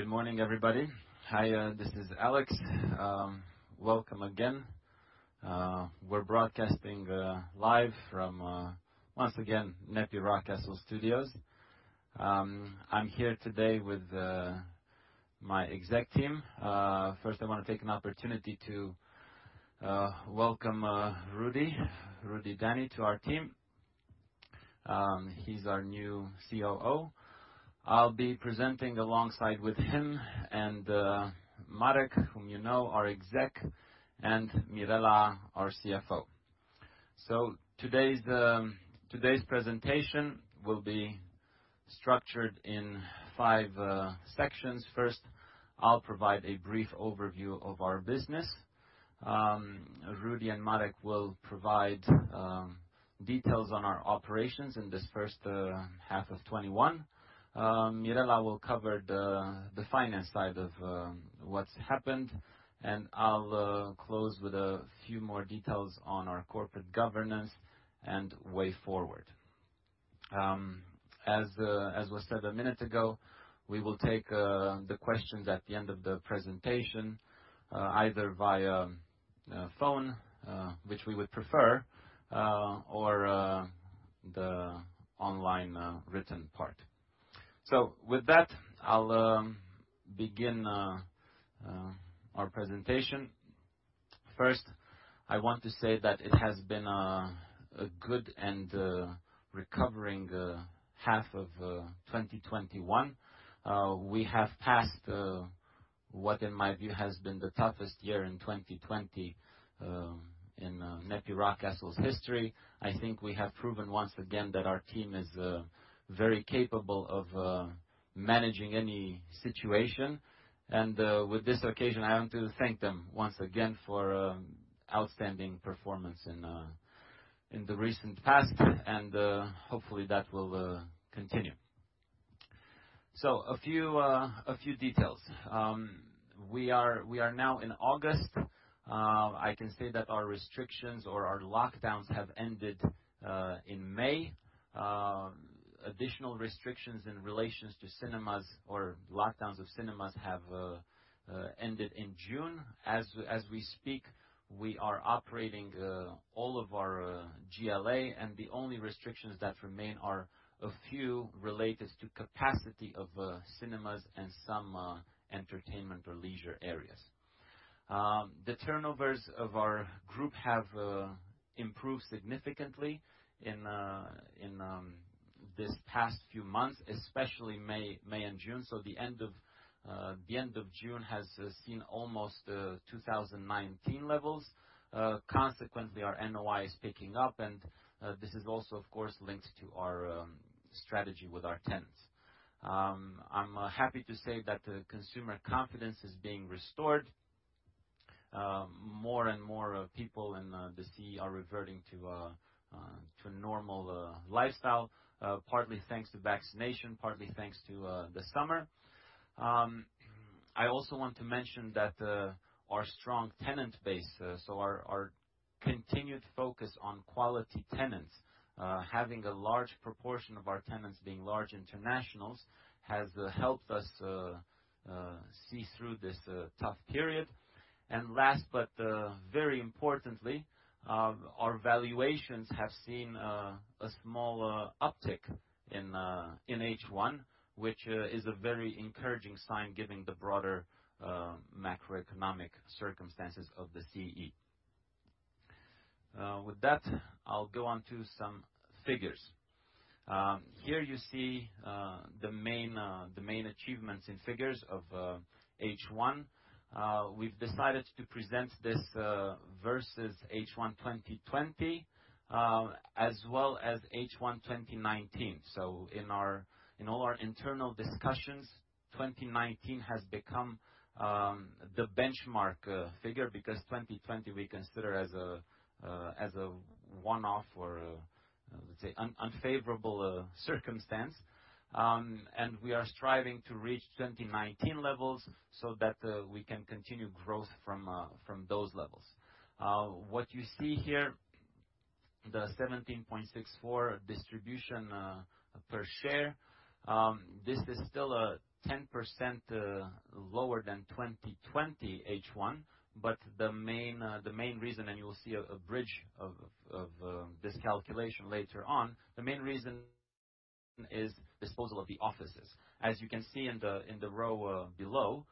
Good morning, everybody. Hi, this is Alex. Welcome again. We're broadcasting live from, once again, NEPI Rockcastle Studios. I'm here today with my exec team. First, I want to take an opportunity to welcome Rüdiger Dany to our team. He's our new COO. I'll be presenting alongside him and Marek, whom you know, our exec, and Mirela, our CFO. Today's presentation will be structured in five sections. First, I'll provide a brief overview of our business. Rudy and Marek will provide details on our operations in this first half of 2021. Mirela will cover the finance side of what's happened, and I'll close with a few more details on our corporate governance and way forward. As was said a minute ago, we will take the questions at the end of the presentation, either via phone, which we would prefer, or the online written part. With that, I'll begin our presentation. First, I want to say that it has been a good and recovering half of 2021. We have passed what, in my view, has been the toughest year in 2020 in NEPI Rockcastle's history. I think we have proven once again that our team is very capable of managing any situation, and with this occasion, I want to thank them once again for outstanding performance in the recent past, and hopefully, that will continue. A few details. We are now in August. I can say that our restrictions or our lockdowns have ended in May. Additional restrictions in relations to cinemas or lockdowns of cinemas have ended in June. As we speak, we are operating all of our GLA, and the only restrictions that remain are a few related to capacity of cinemas and some entertainment or leisure areas. The turnovers of our group have improved significantly in these past few months, especially May and June. The end of June has seen almost 2019 levels. Consequently, our NOI is picking up, and this is also, of course, linked to our strategy with our tenants. I'm happy to say that consumer confidence is being restored. More and more people in the CEE are reverting to normal lifestyle, partly thanks to vaccination, partly thanks to the summer. I also want to mention that our strong tenant base, so our continued focus on quality tenants, having a large proportion of our tenants being large internationals, has helped us see through this tough period. Last, but very importantly, our valuations have seen a small uptick in H1, which is a very encouraging sign given the broader macroeconomic circumstances of the CEE. With that, I'll go on to some figures. Here you see the main achievements in figures of H1. We've decided to present this versus H1 2020, as well as H1 2019. In all our internal discussions, 2019 has become the benchmark figure because 2020 we consider as a one-off or, let's say, unfavorable circumstance. We are striving to reach 2019 levels so that we can continue growth from those levels. What you see here, the 17.64 distribution per share, this is still 10% lower than 2020 H1, but the main reason, and you will see a bridge of this calculation later on, the main reason is disposal of the offices. As you can see in the row below,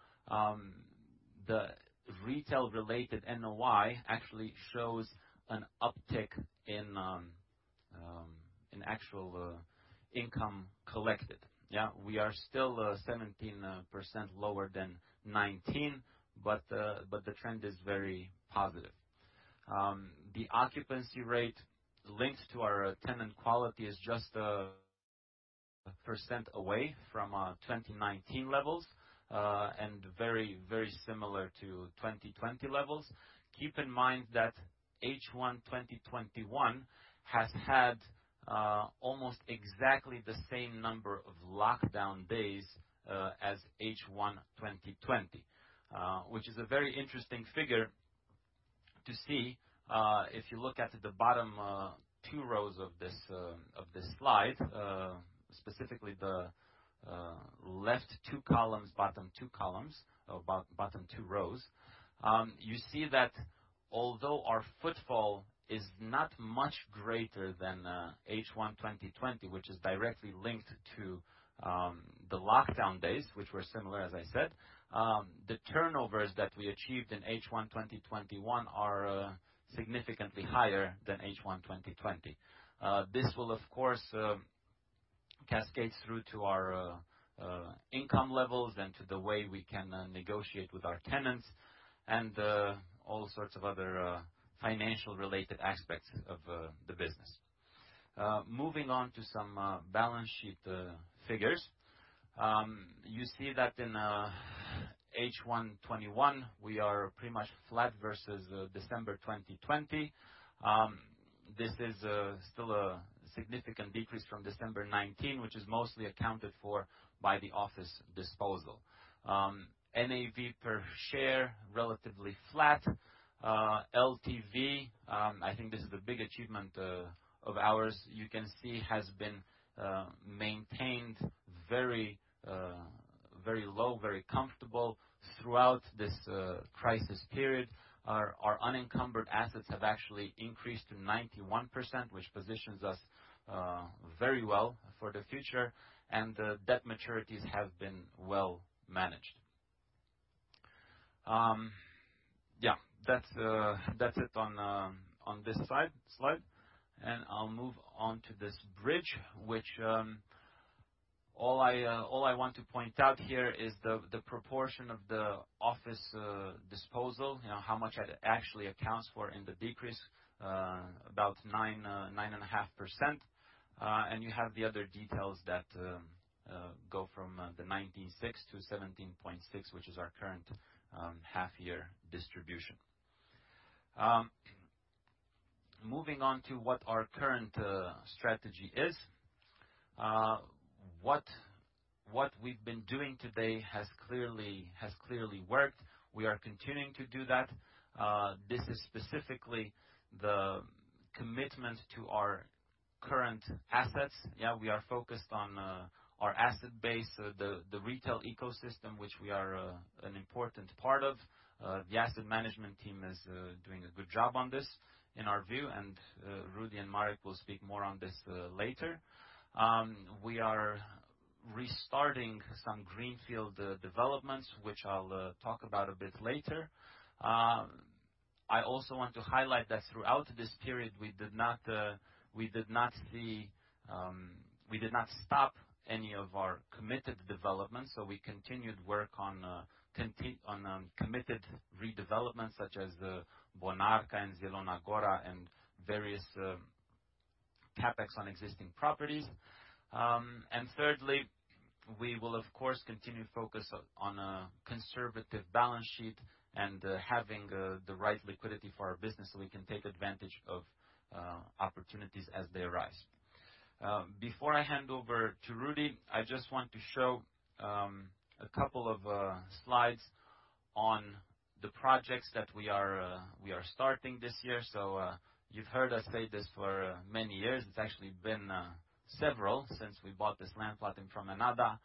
the retail-related NOI actually shows an uptick in actual income collected. Yeah, we are still 17% lower than 2019, but the trend is very positive. The occupancy rate linked to our tenant quality is just 1% away from our 2019 levels, and very similar to 2020 levels. Keep in mind that H1 2021 has had almost exactly the same number of lockdown days as H1 2020, which is a very interesting figure to see. If you look at the bottom two rows of this slide, specifically the left two columns, bottom two rows, you see that although our footfall is not much greater than H1 2020, which is directly linked to the lockdown days, which were similar, as I said, the turnovers that we achieved in H1 2021 are significantly higher than H1 2020. This will, of course, cascade through to our income levels and to the way we can negotiate with our tenants and all sorts of other financial-related aspects of the business. Moving on to some balance sheet figures. You see that in H1 2021, we are pretty much flat versus December 2020. This is still a significant decrease from December 2019, which is mostly accounted for by the office disposal. NAV per share, relatively flat. LTV, I think this is a big achievement of ours, you can see has been maintained very low, very comfortable throughout this crisis period. Our unencumbered assets have actually increased to 91%, which positions us very well for the future, and debt maturities have been well managed. Yeah. That's it on this slide. I'll move on to this bridge, which all I want to point out here is the proportion of the office disposal, how much it actually accounts for in the decrease, about 9.5%. You have the other details that go from the 19.6% to 17.6%, which is our current half year distribution. Moving on to what our current strategy is. What we've been doing today has clearly worked. We are continuing to do that. This is specifically the commitment to our current assets. Yeah, we are focused on our asset base, the retail ecosystem, which we are an important part of. The asset management team is doing a good job on this, in our view, and Rudi and Marek will speak more on this later. We are restarting some greenfield developments, which I'll talk about a bit later. I also want to highlight that throughout this period, we did not stop any of our committed developments. We continued work on committed redevelopments such as the Bonarka and Zielona Góra and various CapEx on existing properties. Thirdly, we will of course continue focus on a conservative balance sheet and having the right liquidity for our business so we can take advantage of opportunities as they arise. Before I hand over to Rudi, I just want to show a couple of slides on the projects that we are starting this year. You've heard us say this for many years. It's actually been several since we bought this land plot in Promenada.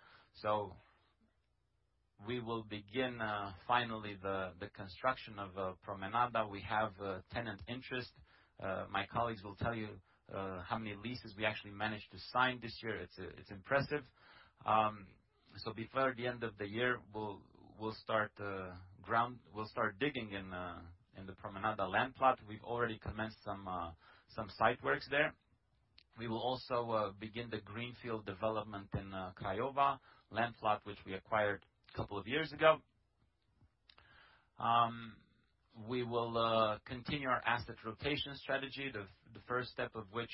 We will begin finally the construction of Promenada. We have tenant interest. My colleagues will tell you how many leases we actually managed to sign this year. It's impressive. Before the end of the year, we'll start digging in the Promenada land plot. We've already commenced some site works there. We will also begin the greenfield development in Craiova, land plot which we acquired a couple of years ago. We will continue our asset rotation strategy, the first step of which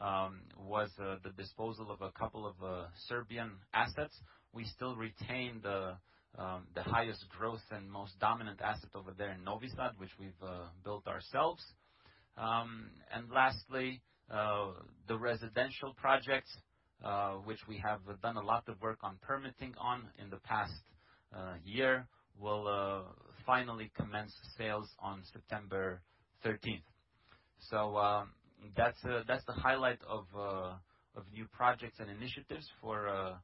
was the disposal of a couple of Serbian assets. We still retain the highest growth and most dominant asset over there in Novi Sad, which we've built ourselves. Lastly, the residential project, which we have done a lot of work on permitting on in the past year, will finally commence sales on September 13th. That's the highlight of new projects and initiatives for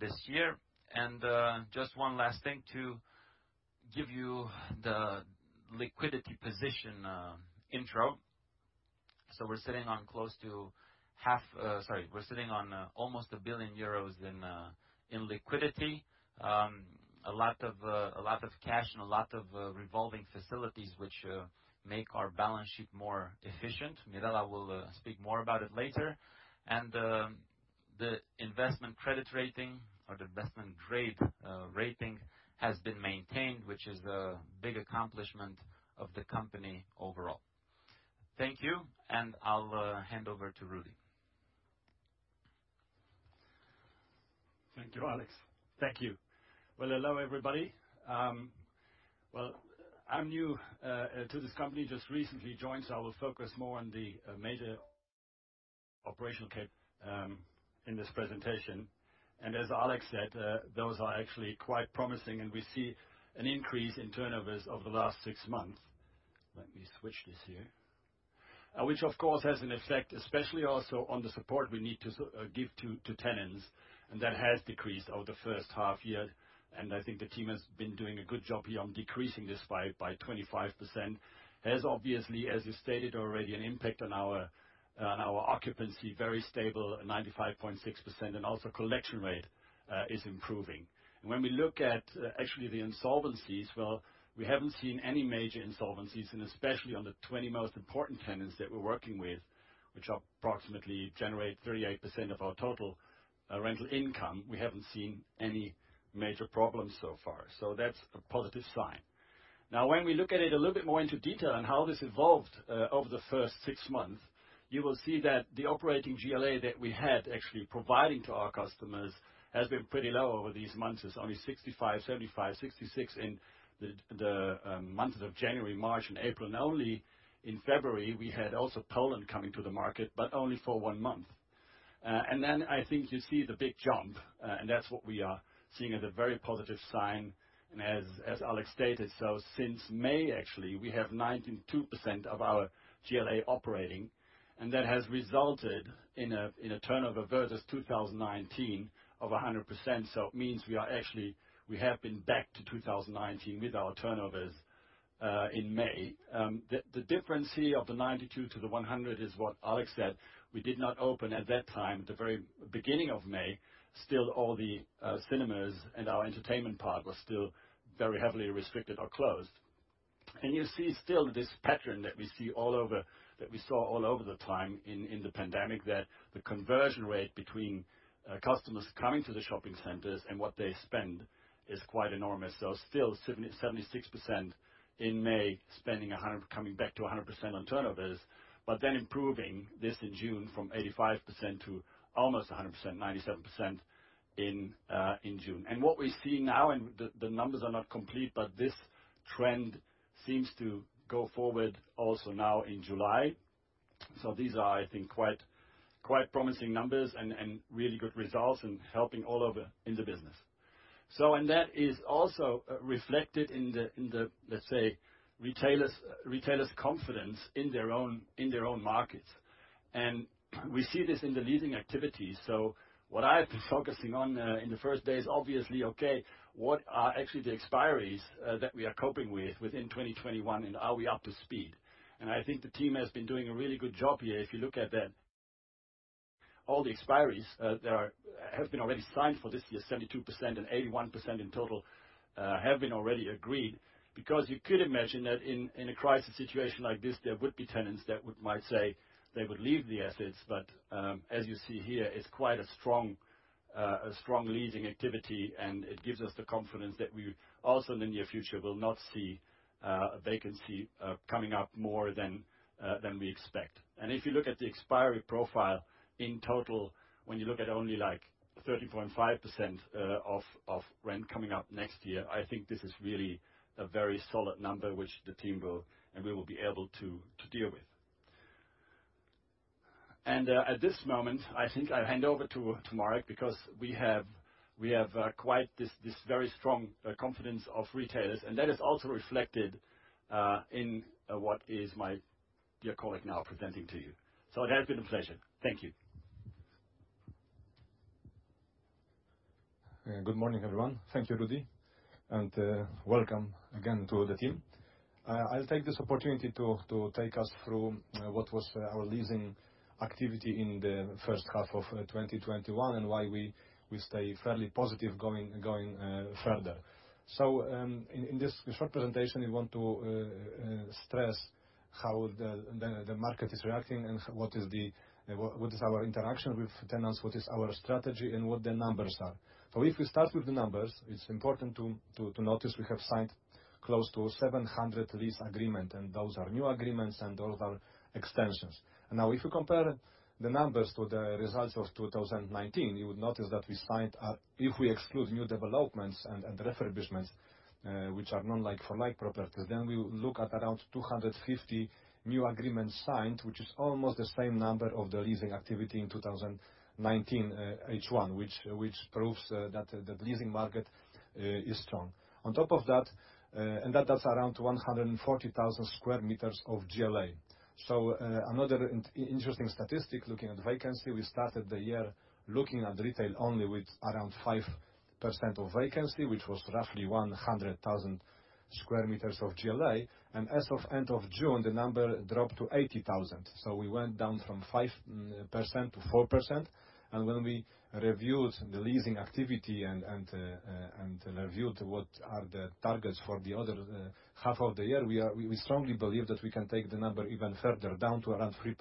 this year. Just one last thing to give you the liquidity position intro. We're sitting on almost 1 billion euros in liquidity. A lot of cash and a lot of revolving facilities, which make our balance sheet more efficient. Mirela will speak more about it later. The investment credit rating or the investment grade rating has been maintained, which is a big accomplishment of the company overall. Thank you, and I'll hand over to Rudi. Thank you, Alex. Thank you. Well, hello, everybody. Well, I'm new to this company, just recently joined, so I will focus more on the major operational tip in this presentation. As Alex said, those are actually quite promising, and we see an increase in turnovers over the last six months. Let me switch this here. Which, of course, has an effect especially also on the support we need to give to tenants, and that has decreased over the first half year. I think the team has been doing a good job here on decreasing this by 25%. This has obviously, as I stated already, an impact on our occupancy, very stable at 95.6%, and also collection rate is improving. When we look at actually the insolvencies, well, we haven't seen any major insolvencies, and especially on the 20 most important tenants that we're working with, which approximately generate 38% of our total rental income. We haven't seen any major problems so far. That's a positive sign. When we look at it a little bit more into detail on how this evolved over the first six months, you will see that the operating GLA that we had actually providing to our customers has been pretty low over these months. It's only 65, 75, 66 in the months of January, March, and April. Only in February, we had also Poland coming to the market, but only for one month. I think you see the big jump, and that's what we are seeing as a very positive sign. As Alex stated, since May actually, we have 92% of our GLA operating, and that has resulted in a turnover versus 2019 of 100%. It means we have been back to 2019 with our turnovers, in May. The difference here of the 92 to the 100 is what Alex said. We did not open at that time, the very beginning of May. Still all the cinemas and our entertainment part was still very heavily restricted or closed. You see still this pattern that we saw all over the time in the pandemic, that the conversion rate between customers coming to the shopping centers and what they spend is quite enormous. Still 76% in May, coming back to 100% on turnovers. Improving this in June from 85% to almost 100%, 97% in June. What we see now, and the numbers are not complete, but this trend seems to go forward also now in July. These are, I think, quite promising numbers and really good results in helping all over in the business. That is also reflected in the, let's say, retailers' confidence in their own markets. We see this in the leasing activity. What I've been focusing on in the first days, obviously, okay, what are actually the expiries that we are coping with within 2021, and are we up to speed? I think the team has been doing a really good job here. If you look at that, all the expiries have been already signed for this year, 72% and 81% in total, have been already agreed. Because you could imagine that in a crisis situation like this, there would be tenants that might say they would leave the assets. As you see here, it's quite a strong leasing activity, and it gives us the confidence that we also in the near future will not see a vacancy coming up more than we expect. If you look at the expiry profile in total, when you look at only 30.5% of rent coming up next year, I think this is really a very solid number, which the team will be able to deal with. At this moment, I think I'll hand over to Marek because we have quite this very strong confidence of retailers, and that is also reflected in what is my dear colleague now presenting to you. That's been a pleasure. Thank you. Good morning, everyone. Thank you, Rudy. Welcome again to the team. I'll take this opportunity to take us through what was our leasing activity in the first half of 2021, why we stay fairly positive going further. In this short presentation, we want to stress how the market is reacting and what is our interaction with tenants, what is our strategy, and what the numbers are. If we start with the numbers, it's important to notice we have signed close to 700 lease agreement. Those are new agreements and those are extensions. If you compare the numbers to the results of 2019, you would notice that we signed, if we exclude new developments and refurbishments, which are non like-for-like properties, then we look at around 250 new agreements signed, which is almost the same number of the leasing activity in 2019 H1, which proves that leasing market is strong. That's around 140,000 sq m of GLA. Another interesting statistic looking at vacancy, we started the year looking at retail only with around 5% of vacancy, which was roughly 100,000 sq m of GLA. As of end of June, the number dropped to 80,000. We went down from 5% to 4%. When we reviewed the leasing activity and reviewed what are the targets for the other half of the year, we strongly believe that we can take the number even further down to around 3%.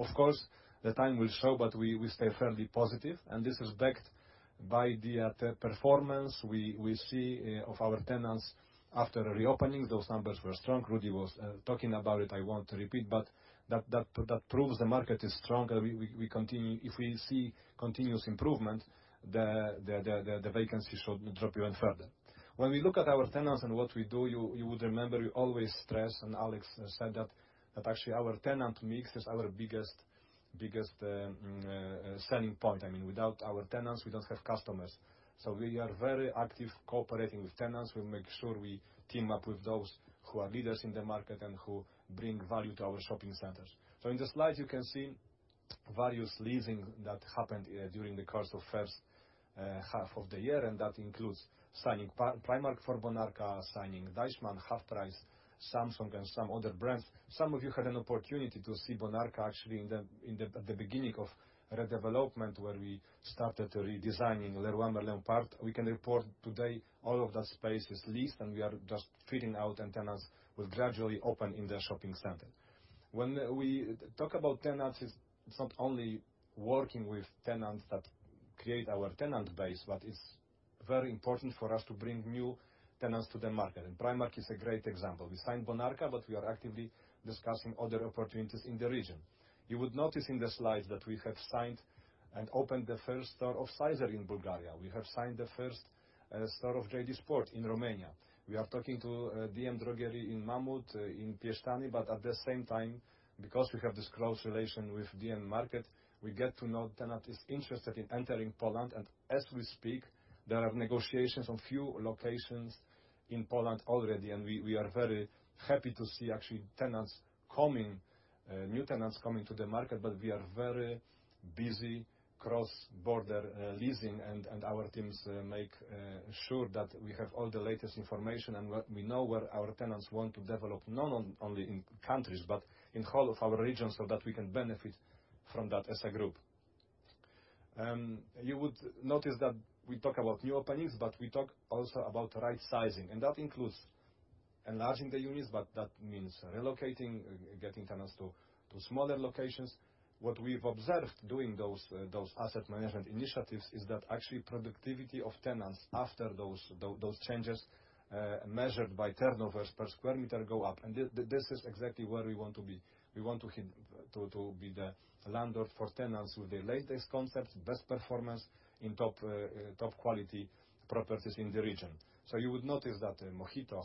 Of course, the time will show, but we stay fairly positive, and this is backed by the performance we see of our tenants after reopening. Those numbers were strong. Rudy was talking about it. I won't repeat, but that proves the market is strong. If we see continuous improvement, the vacancy should drop even further. When we look at our tenants and what we do, you would remember we always stress, and Alex said that actually our tenant mix is our biggest selling point. Without our tenants, we don't have customers. We are very active cooperating with tenants. We make sure we team up with those who are leaders in the market and who bring value to our shopping centers. In the slide, you can see various leasing that happened during the course of first half of the year, and that includes signing Primark for Bonarka, signing Deichmann, HalfPrice, Samsung, and some other brands. Some of you had an opportunity to see Bonarka actually at the beginning of redevelopment, where we started redesigning Leroy Merlin part. We can report today all of that space is leased, and we are just filling out, and tenants will gradually open in the shopping center. When we talk about tenants, it's not only working with tenants that create our tenant base, but it's very important for us to bring new tenants to the market. Primark is a great example. We signed Bonarka, but we are actively discussing other opportunities in the region. You would notice in the slides that we have signed and opened the first store of Sizeer in Bulgaria. We have signed the first store of JD Sports in Romania. We are talking to dm Drogerie in Mammut, in Piešťany, but at the same time, because we have this close relation with dm market, we get to know tenant is interested in entering Poland. As we speak, there are negotiations on few locations in Poland already. We are very happy to see, actually, new tenants coming to the market. We are very busy cross-border leasing and our teams make sure that we have all the latest information, and we know where our tenants want to develop, not only in countries, but in whole of our region, so that we can benefit from that as a group. You would notice that we talk about new openings, but we talk also about right sizing, and that includes enlarging the units, but that means relocating, getting tenants to smaller locations. What we've observed doing those asset management initiatives is that actually productivity of tenants after those changes, measured by turnovers per square meter, go up. This is exactly where we want to be. We want to be the landlord for tenants with the latest concepts, best performance in top quality properties in the region. You would notice that Mohito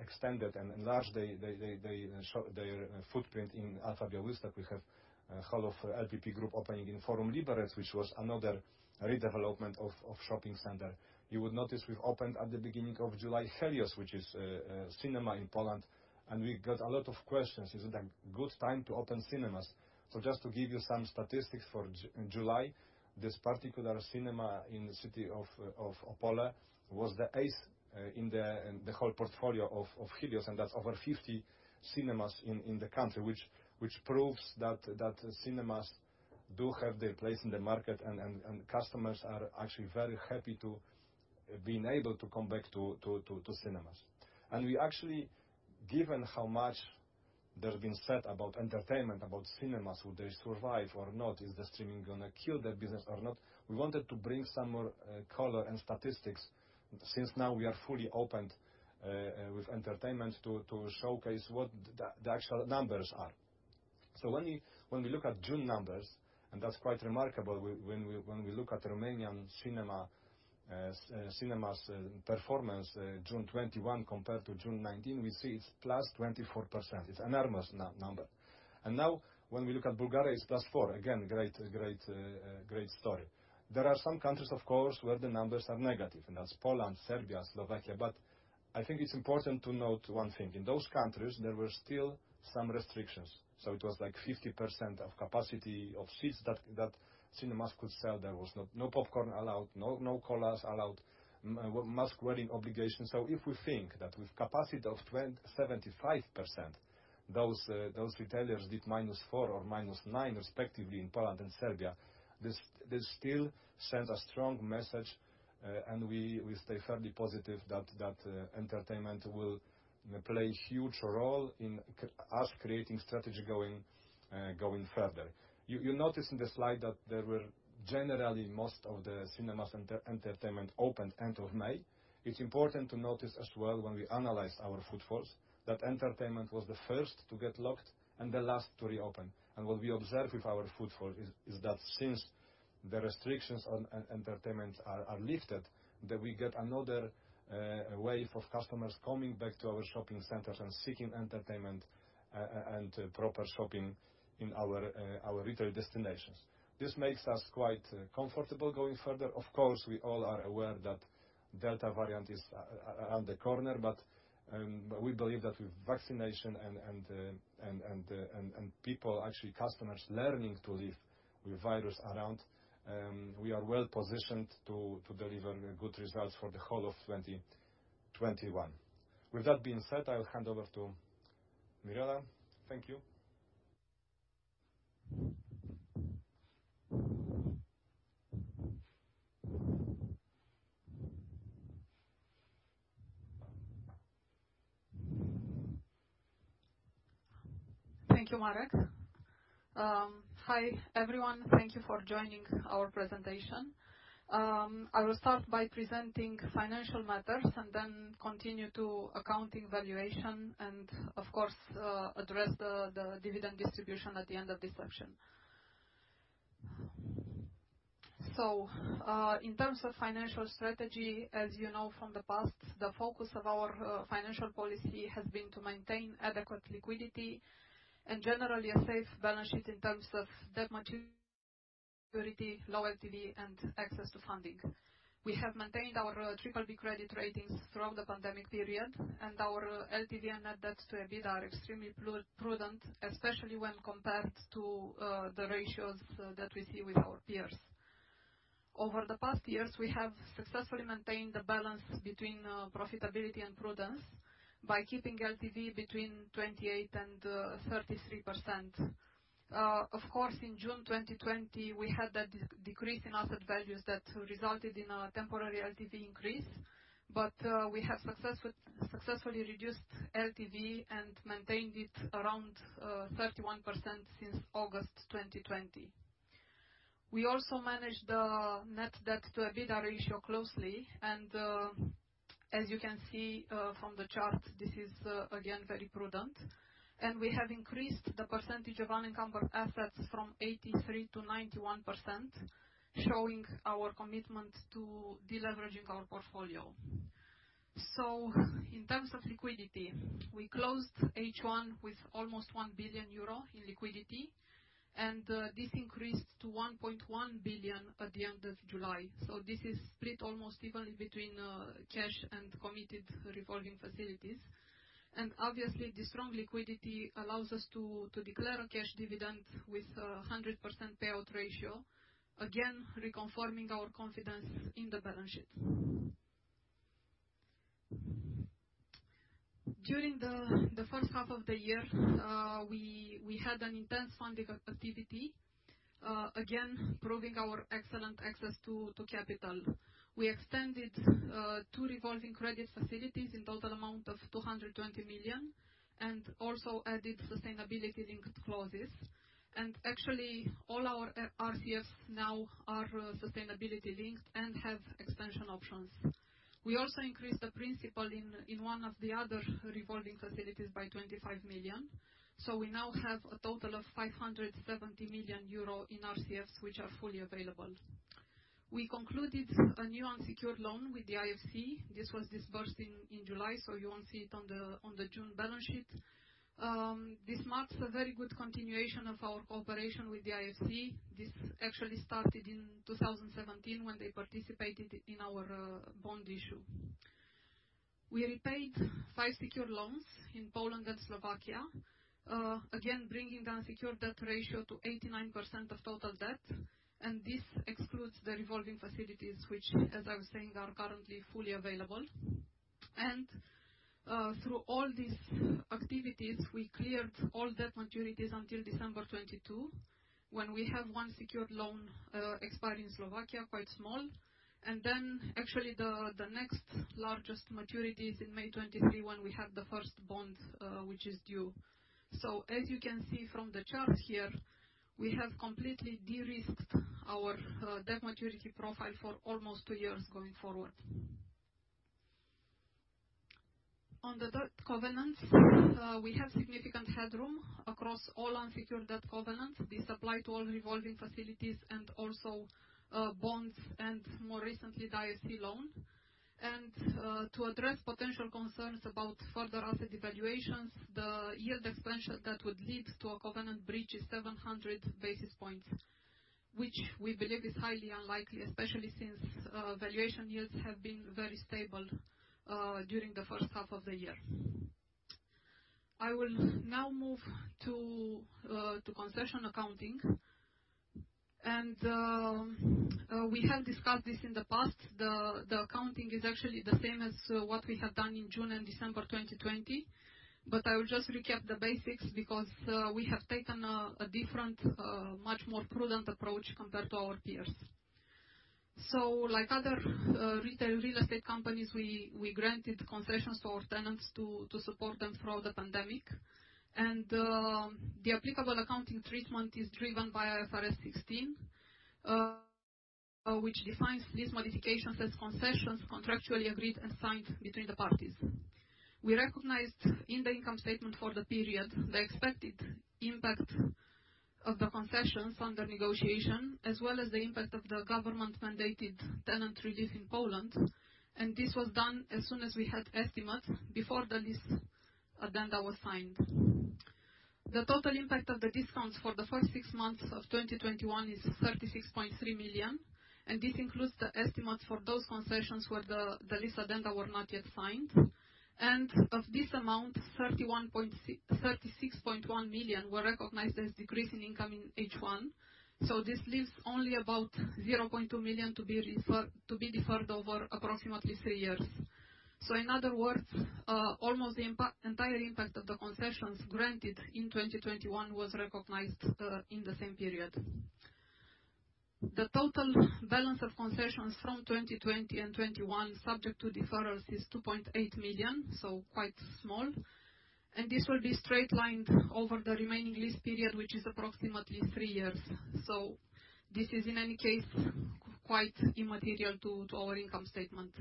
extended and enlarged their footprint in Alfa Białystok. We have whole of LPP Group opening in Forum Liberec, which was another redevelopment of shopping center. You would notice we've opened at the beginning of July, Helios, which is a cinema in Poland, and we got a lot of questions. Is it a good time to open cinemas? Just to give you some statistics for July, this particular cinema in the city of Opole was the eighth in the whole portfolio of Helios, and that's over 50 cinemas in the country. Which proves that cinemas do have their place in the market, and customers are actually very happy to being able to come back to cinemas. We actually, given how much that has been said about entertainment, about cinemas, would they survive or not? Is the streaming going to kill that business or not? We wanted to bring some more color and statistics, since now we are fully opened, with entertainment to showcase what the actual numbers are. When we look at June numbers, and that's quite remarkable, when we look at Romanian cinema's performance, June 2021 compared to June 2019, we see it's +24%. It's enormous number. Now when we look at Bulgaria, it's +4. Again, great story. There are some countries, of course, where the numbers are negative, and that's Poland, Serbia, Slovakia. I think it's important to note one thing. In those countries, there were still some restrictions. It was like 50% of capacity of seats that cinemas could sell. There was no popcorn allowed, no colas allowed, mask wearing obligation. If we think that with capacity of 75%, those retailers did -4 or -9, respectively, in Poland and Serbia, this still sends a strong message, and we stay fairly positive that entertainment will play a huge role in us creating strategy going further. You notice in the slide that there were generally most of the cinemas and entertainment opened end of May. It's important to notice as well, when we analyze our footfalls, that entertainment was the first to get locked and the last to reopen. What we observed with our footfall is that since the restrictions on entertainment are lifted, that we get another wave of customers coming back to our shopping centers and seeking entertainment and proper shopping in our retail destinations. This makes us quite comfortable going further. We all are aware that Delta variant is around the corner. We believe that with vaccination and people, actually customers learning to live with virus around, we are well positioned to deliver good results for the whole of 2021. I'll hand over to Mirela. Thank you. Thank you, Marek. Hi, everyone. Thank you for joining our presentation. I will start by presenting financial matters and then continue to accounting valuation, and of course, address the dividend distribution at the end of this section. In terms of financial strategy, as you know from the past, the focus of our financial policy has been to maintain adequate liquidity and generally a safe balance sheet in terms of debt maturity, security, low LTV, and access to funding. We have maintained our BBB credit ratings throughout the pandemic period, and our LTV and net debt to EBITDA are extremely prudent, especially when compared to the ratios that we see with our peers. Over the past years, we have successfully maintained the balance between profitability and prudence by keeping LTV between 28% and 33%. In June 2020, we had that decrease in asset values that resulted in a temporary LTV increase, but we have successfully reduced LTV and maintained it around 31% since August 2020. We also managed the net debt to EBITDA ratio closely, as you can see from the chart, this is again very prudent. We have increased the percentage of unencumbered assets from 83% to 91%, showing our commitment to de-leveraging our portfolio. In terms of liquidity, we closed H1 with almost 1 billion euro in liquidity, this increased to 1.1 billion at the end of July. This is split almost evenly between cash and committed revolving facilities. Obviously, the strong liquidity allows us to declare a cash dividend with 100% payout ratio, again, reconfirming our confidence in the balance sheet. During the first half of the year, we had an intense funding activity, again, proving our excellent access to capital. We extended two revolving credit facilities in total amount of 220 million and also added sustainability-linked clauses. Actually, all our RCFs now are sustainability-linked and have expansion options. We also increased the principal in one of the other revolving facilities by 25 million. We now have a total of 570 million euro in RCFs, which are fully available. We concluded a new unsecured loan with the IFC. This was disbursed in July, so you won't see it on the June balance sheet. This marks a very good continuation of our cooperation with the IFC. This actually started in 2017 when they participated in our bond issue. We repaid five secured loans in Poland and Slovakia, again, bringing down secured debt ratio to 89% of total debt, and this excludes the revolving facilities, which, as I was saying, are currently fully available. Through all these activities, we cleared all debt maturities until December 2022, when we have one secured loan expire in Slovakia, quite small. Actually the next largest maturity is in May 2023, when we have the first bond which is due. As you can see from the chart here, we have completely de-risked our debt maturity profile for almost two years going forward. On the debt covenants, we have significant headroom across all unsecured debt covenants. These apply to all revolving facilities and also bonds and more recently, the IFC loan. To address potential concerns about further asset evaluations, the yield expansion that would lead to a covenant breach is 700 basis points, which we believe is highly unlikely, especially since valuation yields have been very stable during the first half of the year. I will now move to concession accounting, and we have discussed this in the past. The accounting is actually the same as what we have done in June and December 2020, but I will just recap the basics because we have taken a different, much more prudent approach compared to our peers. Like other retail real estate companies, we granted concessions to our tenants to support them throughout the pandemic. The applicable accounting treatment is driven by IFRS 16, which defines these modifications as concessions contractually agreed and signed between the parties. We recognized in the income statement for the period the expected impact of the concessions under negotiation, as well as the impact of the government-mandated tenant relief in Poland. This was done as soon as we had estimates before the lease addenda were signed. The total impact of the discounts for the first six months of 2021 is 36.3 million. This includes the estimates for those concessions where the lease addenda were not yet signed. Of this amount, 36.1 million were recognized as decrease in income in H1. This leaves only about 0.2 million to be deferred over approximately three years. In other words, almost the entire impact of the concessions granted in 2021 was recognized in the same period. The total balance of concessions from 2020 and 2021 subject to deferrals is 2.8 million, so quite small. This will be straight-lined over the remaining lease period, which is approximately three years. This is in any case, quite immaterial to our income statement.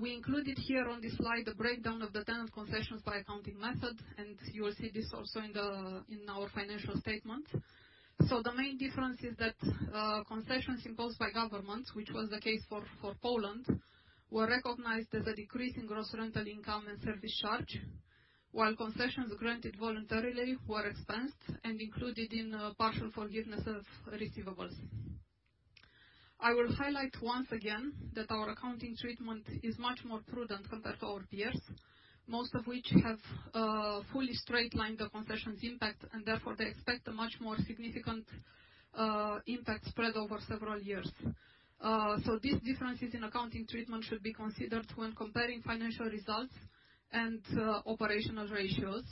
We included here on this slide the breakdown of the tenant concessions by accounting method, and you will see this also in our financial statement. The main difference is that concessions imposed by governments, which was the case for Poland, were recognized as a decrease in gross rental income and service charge, while concessions granted voluntarily were expensed and included in partial forgiveness of receivables. I will highlight once again that our accounting treatment is much more prudent compared to our peers, most of which have fully straight-lined the concessions impact, and therefore they expect a much more significant impact spread over several years. These differences in accounting treatment should be considered when comparing financial results and operational ratios.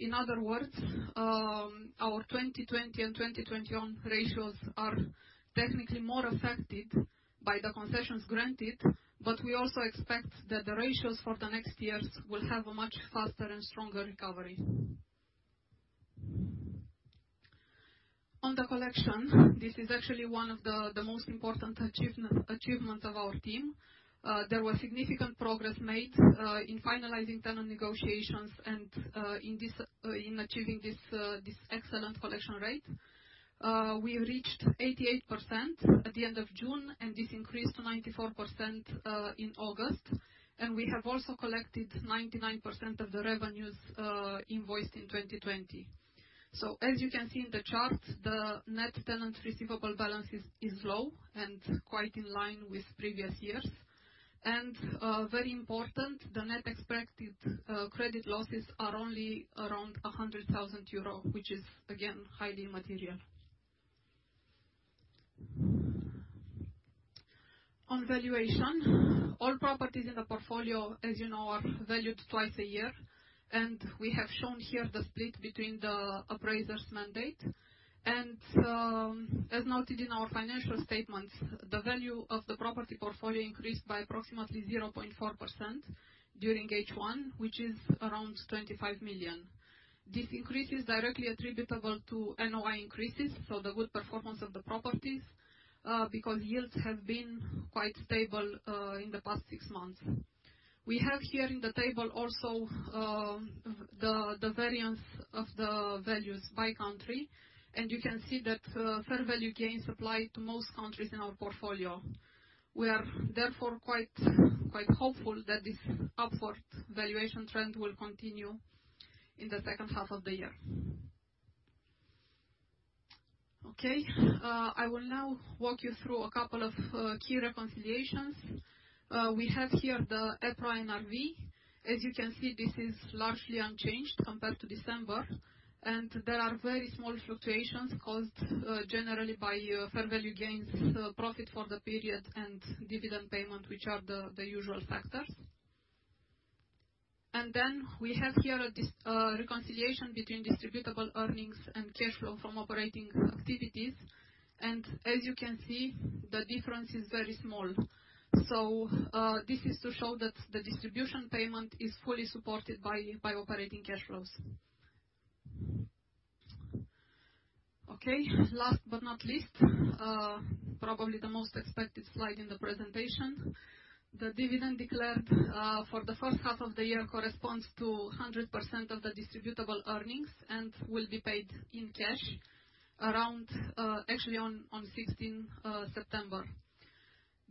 In other words, our 2020 and 2021 ratios are technically more affected by the concessions granted, but we also expect that the ratios for the next years will have a much faster and stronger recovery. On the collection, this is actually one of the most important achievements of our team. There was significant progress made in finalizing tenant negotiations and in achieving this excellent collection rate. We reached 88% at the end of June, and this increased to 94% in August. We have also collected 99% of the revenues invoiced in 2020. As you can see in the chart, the net tenant receivable balance is low and quite in line with previous years. Very important, the net expected credit losses are only around 100,000 euro, which is again, highly immaterial. On valuation, all properties in the portfolio, as you know, are valued twice a year. We have shown here the split between the appraiser's mandate. As noted in our financial statements, the value of the property portfolio increased by approximately 0.4% during H1, which is around 25 million. This increase is directly attributable to NOI increases, so the good performance of the properties, because yields have been quite stable in the past six months. We have here in the table also the variance of the values by country. You can see that fair value gains apply to most countries in our portfolio. We are therefore quite hopeful that this upward valuation trend will continue in the second half of the year. Okay. I will now walk you through a couple of key reconciliations. We have here the EPRA NRV. As you can see, this is largely unchanged compared to December, and there are very small fluctuations caused generally by fair value gains, profit for the period, and dividend payment, which are the usual factors. We have here a reconciliation between distributable earnings and cash flow from operating activities. As you can see, the difference is very small. This is to show that the distribution payment is fully supported by operating cash flows. Last but not least, probably the most expected slide in the presentation. The dividend declared for the first half of the year corresponds to 100% of the distributable earnings and will be paid in cash actually on 16 September.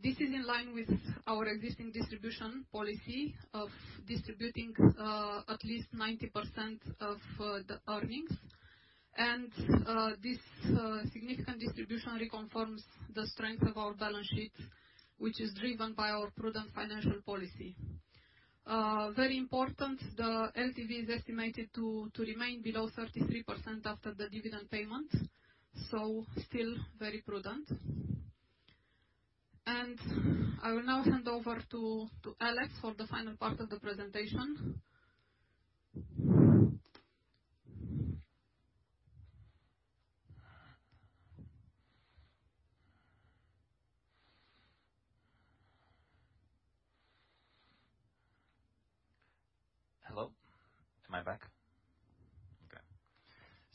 This is in line with our existing distribution policy of distributing at least 90% of the earnings. This significant distribution reconfirms the strength of our balance sheet, which is driven by our prudent financial policy. Very important, the LTV is estimated to remain below 33% after the dividend payment, still very prudent. I will now hand over to Alex for the final part of the presentation. Hello. Am I back?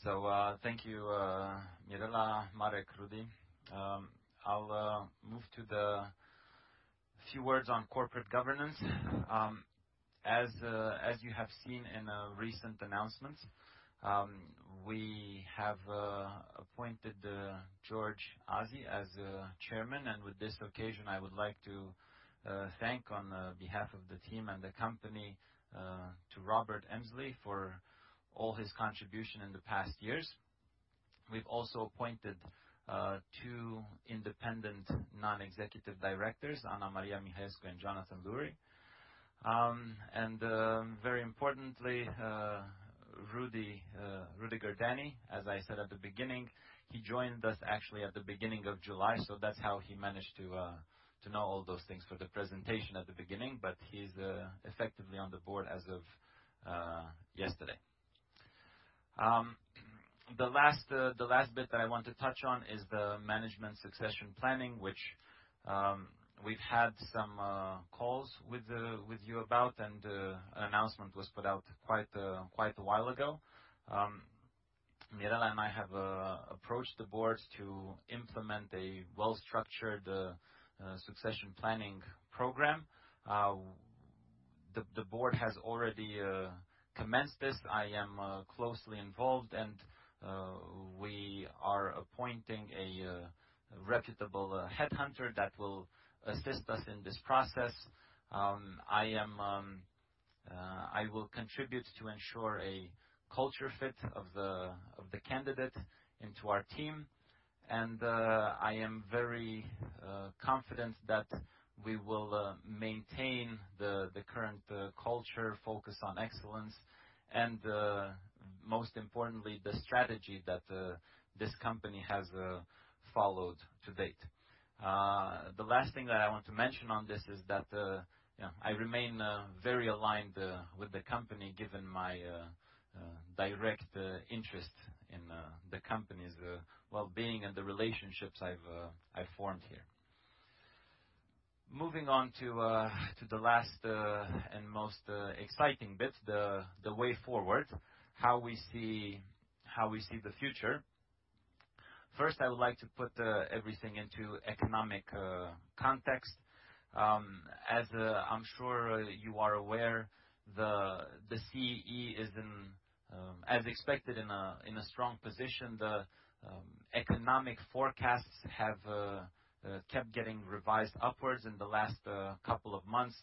Okay. Thank you, Mirela, Marek, Rudi. I'll move to the few words on corporate governance. As you have seen in a recent announcement, we have appointed George Aase as Chairman, and with this occasion, I would like to thank on behalf of the team and the company to Robert Emslie for all his contribution in the past years. We've also appointed two independent non-executive directors, Ana-Maria Mihaescu and Jonathan Lurie. Very importantly, Rüdiger Dany, as I said at the beginning, he joined us actually at the beginning of July, so that's how he managed to know all those things for the presentation at the beginning. He's effectively on the board as of yesterday. The last bit that I want to touch on is the management succession planning, which we've had some calls with you about, and an announcement was put out quite a while ago. Mirela and I have approached the board to implement a well-structured succession planning program. The board has already commenced this. I am closely involved. We are appointing a reputable headhunter that will assist us in this process. I will contribute to ensure a culture fit of the candidate into our team. I am very confident that we will maintain the current culture focus on excellence, most importantly, the strategy that this company has followed to date. The last thing that I want to mention on this is that I remain very aligned with the company given my direct interest in the company's wellbeing and the relationships I've formed here. Moving on to the last and most exciting bit, the way forward, how we see the future. First, I would like to put everything into economic context. As I'm sure you are aware, the CEE is, as expected, in a strong position. The economic forecasts have kept getting revised upwards in the last couple of months.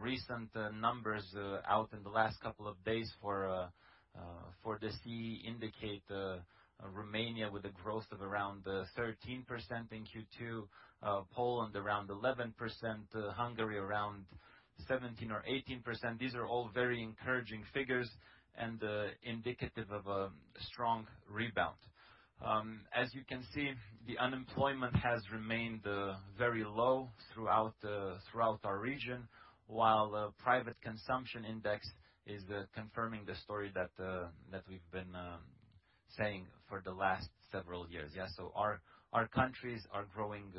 Recent numbers out in the last couple of days for the CEE indicate Romania with a growth of around 13% in Q2, Poland around 11%, Hungary around 17% or 18%. These are all very encouraging figures and indicative of a strong rebound. As you can see, the unemployment has remained very low throughout our region, while private consumption index is confirming the story that we've been saying for the last several years. Our countries are growing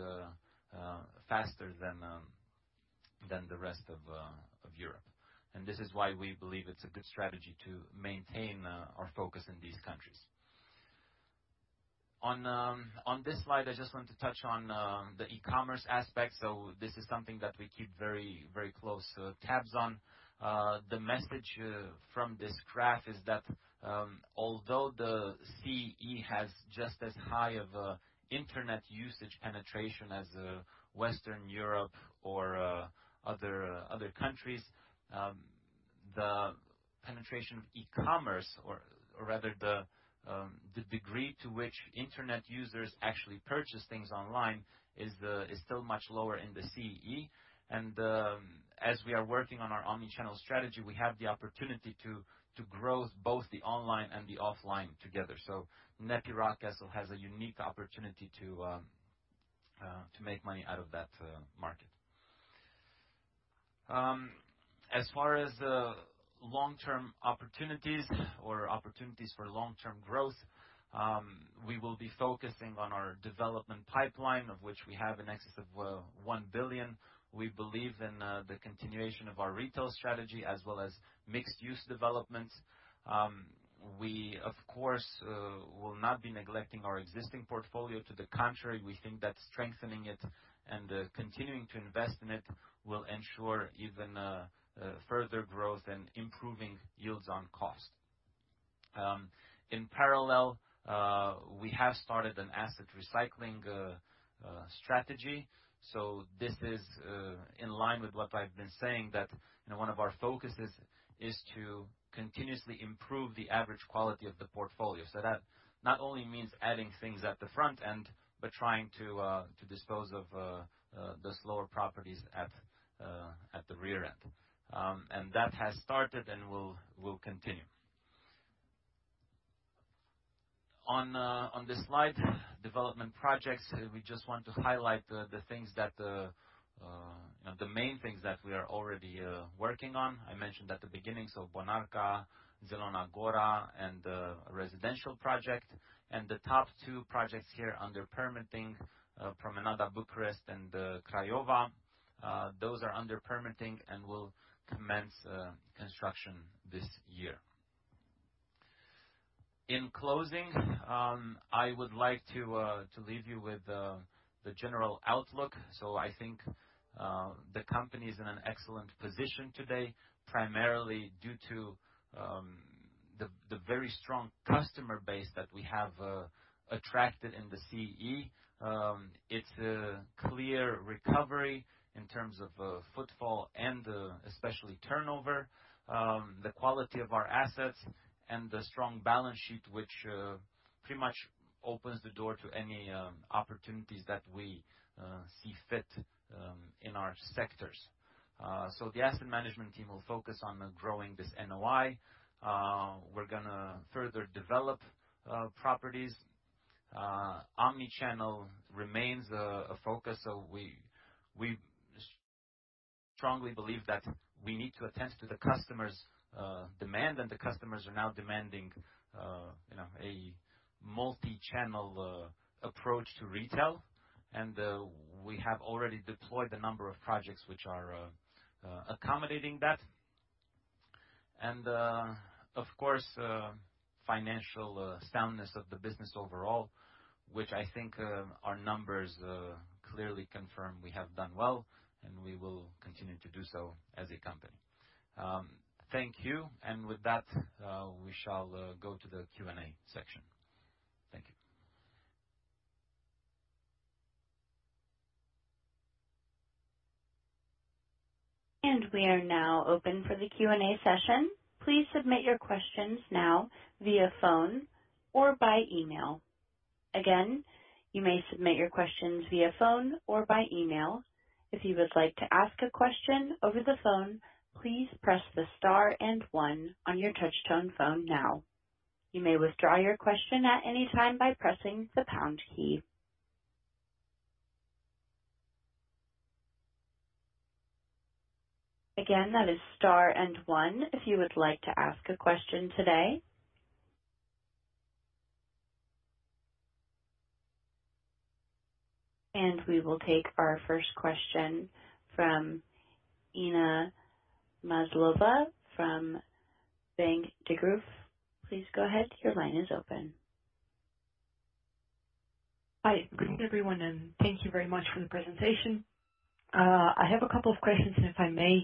faster than the rest of Europe. This is why we believe it's a good strategy to maintain our focus in these countries. On this slide, I just want to touch on the e-commerce aspect. This is something that we keep very close tabs on. The message from this graph is that, although the CEE has just as high of a internet usage penetration as Western Europe or other countries, the penetration of e-commerce or rather the degree to which internet users actually purchase things online is still much lower in the CEE. As we are working on our omni-channel strategy, we have the opportunity to grow both the online and the offline together. NEPI Rockcastle has a unique opportunity to make money out of that market. As far as long-term opportunities or opportunities for long-term growth, we will be focusing on our development pipeline, of which we have in excess of 1 billion. We believe in the continuation of our retail strategy as well as mixed-use developments. We, of course, will not be neglecting our existing portfolio. To the contrary, we think that strengthening it and continuing to invest in it will ensure even further growth and improving yields on cost. In parallel, we have started an asset recycling strategy. This is in line with what I've been saying, that one of our focuses is to continuously improve the average quality of the portfolio. That not only means adding things at the front end, but trying to dispose of the slower properties at the rear end. That has started and will continue. On this slide, development projects, we just want to highlight the main things that we are already working on. I mentioned at the beginning, so Bonarka, Zielona Góra, and the residential project, and the top two projects here under permitting, Promenada Bucharest and Craiova. Those are under permitting and will commence construction this year. In closing, I would like to leave you with the general outlook. I think the company is in an excellent position today, primarily due to the very strong customer base that we have attracted in the CEE. It's a clear recovery in terms of footfall and especially turnover. The quality of our assets and the strong balance sheet, which pretty much opens the door to any opportunities that we see fit in our sectors. The asset management team will focus on growing this NOI. We're going to further develop properties. Omnichannel remains a focus. We strongly believe that we need to attend to the customers' demand. The customers are now demanding a multi-channel approach to retail. We have already deployed a number of projects which are accommodating that. Of course, financial soundness of the business overall, which I think our numbers clearly confirm we have done well, and we will continue to do so as a company. Thank you. With that, we shall go to the Q&A section. Thank you. We are now open for the Q&A session. We will take our first question from Inna Maslova from Bank Degroof. Please go ahead. Your line is open. Hi. Good evening, everyone, and thank you very much for the presentation. I have a couple of questions, if I may.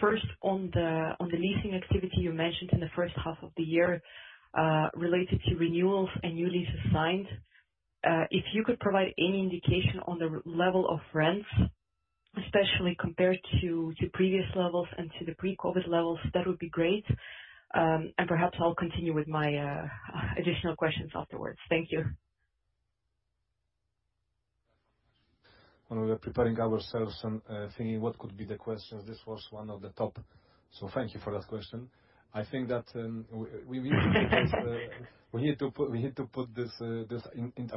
First, on the leasing activity you mentioned in the first half of the year, related to renewals and new leases signed. If you could provide any indication on the level of rents, especially compared to previous levels and to the pre-COVID levels, that would be great. Perhaps I'll continue with my additional questions afterwards. Thank you. When we were preparing ourselves and thinking what could be the questions, this was one of the top. Thank you for that question. I think that we need to put this a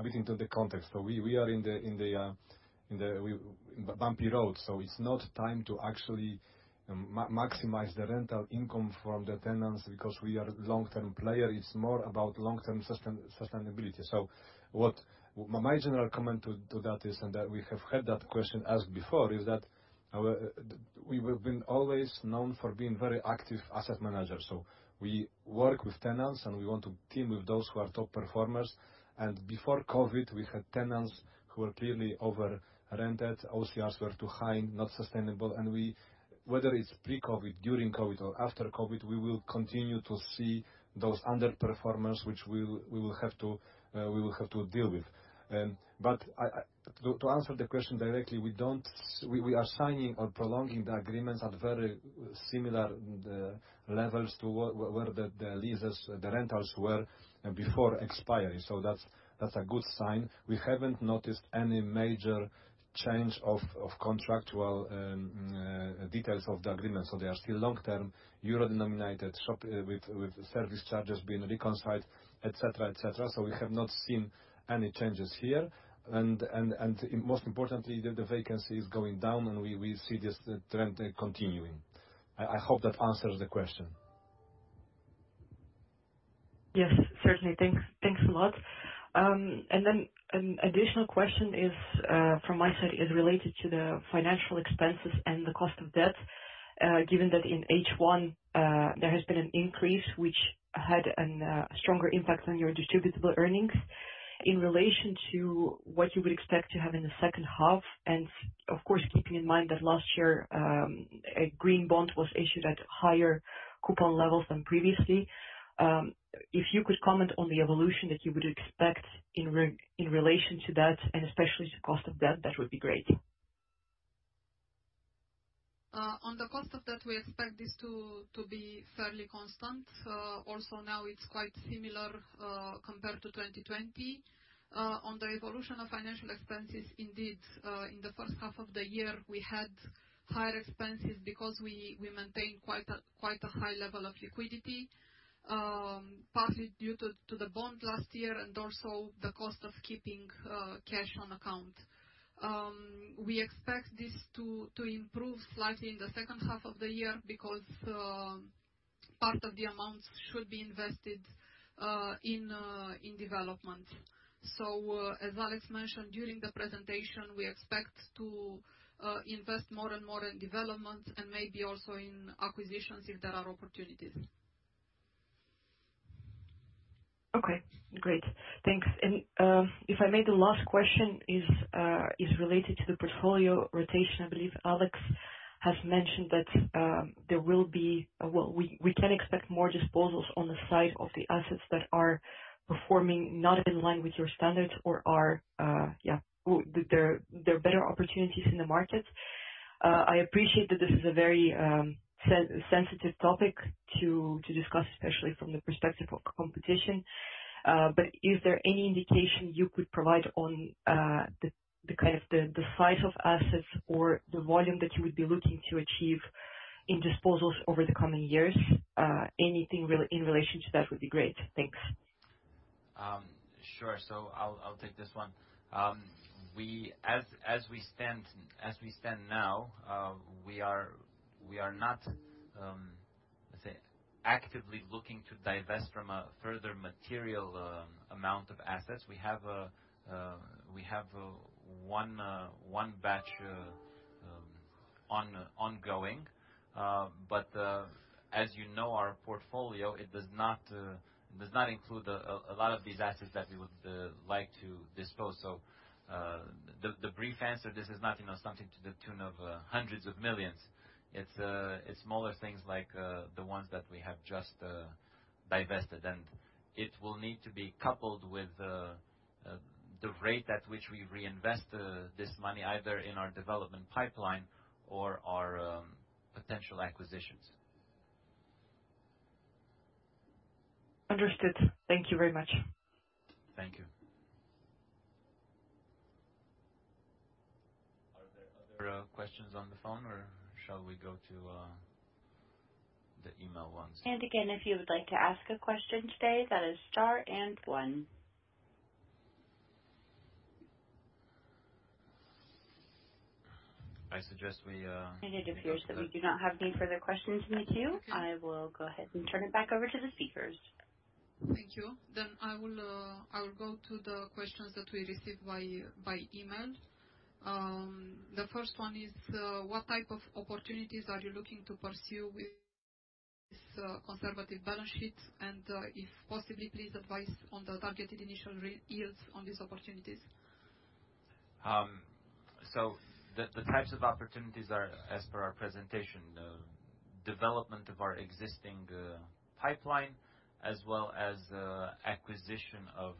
bit into the context. We are in the bumpy road. It's not time to actually maximize the rental income from the tenants because we are a long-term player. It's more about long-term sustainability. My general comment to that is, and that we have had that question asked before, is that we have been always known for being very active asset managers. We work with tenants, and we want to team with those who are top performers. Before COVID, we had tenants who were clearly over-rented. OCRs were too high, not sustainable. Whether it's pre-COVID, during COVID, or after COVID, we will continue to see those underperformers, which we will have to deal with. To answer the question directly, we are signing or prolonging the agreements at very similar levels to where the rentals were before expiry. That's a good sign. We haven't noticed any major change of contractual details of the agreement. They are still long-term, euro-denominated, with service charges being reconciled, et cetera. We have not seen any changes here. Most importantly, the vacancy is going down, and we will see this trend continuing. I hope that answers the question. Yes. Certainly. Thanks a lot. An additional question from my side is related to the financial expenses and the cost of debt. Given that in H1 there has been an increase which had a stronger impact on your distributable earnings in relation to what you would expect to have in the second half. Of course, keeping in mind that last year, a green bond was issued at higher coupon levels than previously. If you could comment on the evolution that you would expect in relation to that and especially to cost of debt, that would be great. On the cost of debt, we expect this to be fairly constant. Also now it's quite similar compared to 2020. On the evolution of financial expenses, indeed, in the first half of the year, we had higher expenses because we maintained quite a high level of liquidity, partly due to the bond last year and also the cost of keeping cash on account. We expect this to improve slightly in the second half of the year because part of the amount should be invested in development. As Alex mentioned during the presentation, we expect to invest more and more in development and maybe also in acquisitions if there are opportunities. Okay, great. Thanks. If I may, the last question is related to the portfolio rotation. I believe Alex has mentioned that we can expect more disposals on the side of the assets that are performing not in line with your standards or there are better opportunities in the market. I appreciate that this is a very sensitive topic to discuss, especially from the perspective of competition. Is there any indication you could provide on the size of assets or the volume that you would be looking to achieve in disposals over the coming years? Anything in relation to that would be great. Thanks. Sure. I'll take this one. As we stand now, we are not, let's say actively looking to divest from a further material amount of assets. We have one batch ongoing. As you know, our portfolio, it does not include a lot of these assets that we would like to dispose. The brief answer, this is not something to the tune of hundreds of millions. It's smaller things like the ones that we have just divested. It will need to be coupled with the rate at which we reinvest this money, either in our development pipeline or our potential acquisitions. Understood. Thank you very much. Thank you. Are there other questions on the phone, or shall we go to the email ones? Again, if you would like to ask a question today, that is star and one. I suggest. It appears that we do not have any further questions in the queue. I will go ahead and turn it back over to the speakers. Thank you. I will go to the questions that we received by email. The first one is: What type of opportunities are you looking to pursue with this conservative balance sheet? If possibly, please advise on the targeted initial yields on these opportunities. The types of opportunities are, as per our presentation, the development of our existing pipeline, as well as the acquisition of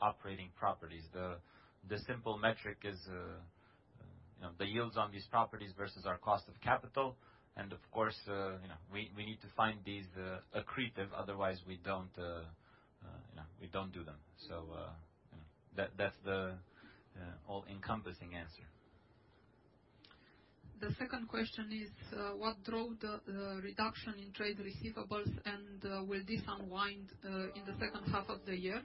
operating properties. The simple metric is the yields on these properties versus our cost of capital. Of course, we need to find these accretive, otherwise, we don't do them. That's the all-encompassing answer. The second question is: What drove the reduction in trade receivables, and will this unwind in the second half of the year?